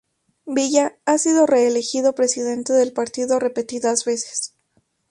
Biya ha sido reelegido presidente del partido repetidas veces.